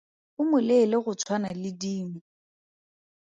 O moleele go tshwana le dimo.